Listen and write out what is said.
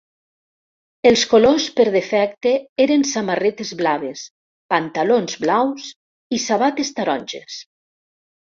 Els colors per defecte eren samarretes blaves, pantalons blaus i sabates taronges.